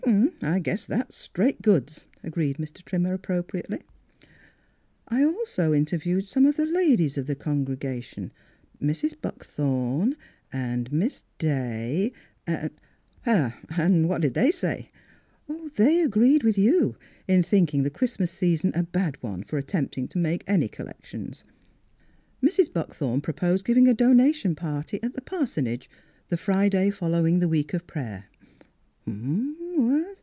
" I guess that's straight goods," agreed Mr. Trimmer appropriately. " I also interviewed some of the ladies of the congregation — er — Mrs. Buck thorn and Miss Day and —" "What'd they say?" " They agreed with you in thinking the Christmas season a bad one for attempting to make any collections. Mrs. Buck thorn proposed giving a donation party Miss Fhilura's Wedding Gown at the parsonage the Friday following the week of prayer."